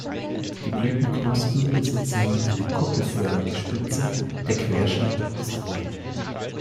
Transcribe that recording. Die Blütenknospen besitzen eine kuppelförmige Spitze, der Querschnitt ist rund.